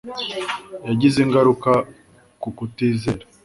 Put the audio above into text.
Yagize ingaruka ku kutizera